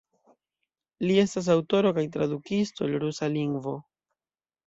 Li estas aŭtoro kaj tradukisto el rusa lingvo.